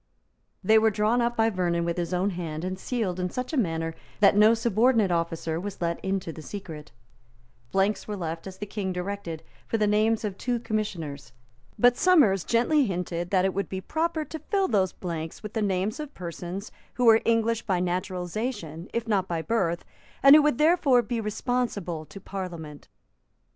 They were drawn up by Vernon with his own hand, and sealed in such a manner that no subordinate officer was let into the secret. Blanks were left, as the King had directed, for the names of two Commissioners. But Somers gently hinted that it would be proper to fill those blanks with the names of persons who were English by naturalisation, if not by birth, and who would therefore be responsible to Parliament.